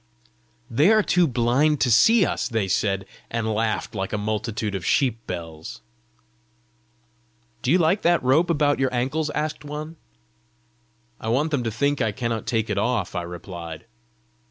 "They are too blind to see us," they said, and laughed like a multitude of sheep bells. "Do you like that rope about your ankles?" asked one. "I want them to think I cannot take it off," I replied.